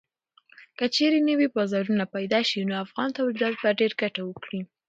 که چېرې نوي بازارونه پېدا شي نو افغان تولیدات به ډېره ګټه وکړي.